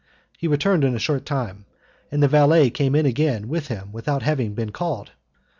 He returned in a short time, and the valet came in again with him without having been called.